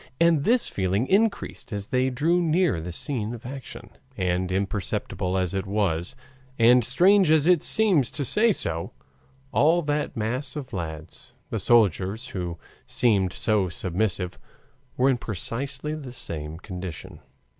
And this feeling increased as they drew near the scene of action. And imperceptible as it was, and strange as it seems to say so, all that mass of lads, the soldiers, who seemed so submissive, were in precisely the same condition.